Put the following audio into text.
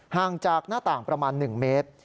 ห่างจากหน้าต่างประมาณ๑เมตร